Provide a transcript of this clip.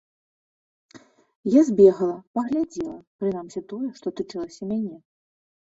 Я збегала, паглядзела, прынамсі тое, што тычылася мяне.